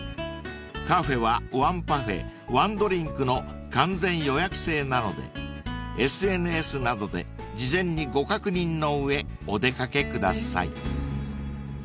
［カフェは１パフェ１ドリンクの完全予約制なのでＳＮＳなどで事前にご確認のうえお出掛けください］